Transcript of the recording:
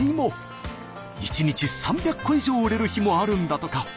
一日３００個以上売れる日もあるんだとか。